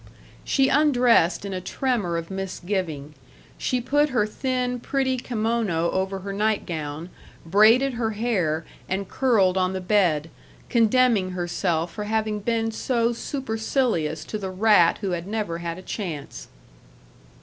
She undressed in a tremor of misgiving. She put her thin, pretty kimono over her nightgown, braided her hair, and curled on the bed, condemning herself for having been so supercilious to the rat who had never had a chance.